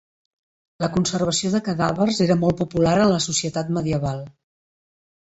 La conservació de cadàvers era molt popular en la societat medieval.